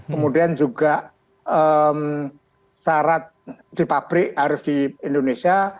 kemudian juga syarat di pabrik harus di indonesia